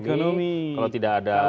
kalau tidak ada pemberantasan pungli